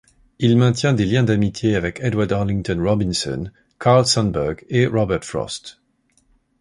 Il maintient des liens d'amitié avec Edward Arlington Robinson, Carl Sandburg et Robert Frost.